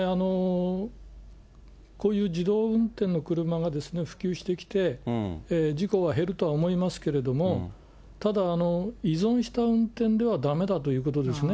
こういう自動運転の車がですね、普及してきて、事故が減るとは思いますけれども、ただ、依存した運転ではだめだということですね。